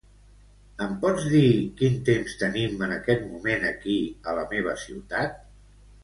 Em pots dir quin temps tenim en aquest moment aquí a la meva ciutat?